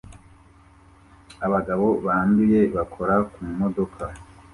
abagabo banduye bakora ku modoka